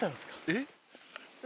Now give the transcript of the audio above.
えっ！？